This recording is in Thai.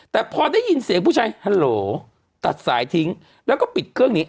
แต่พอได้ยินเสียงผู้ชายฮัลโหลตัดสายทิ้งแล้วก็ปิดเครื่องนี้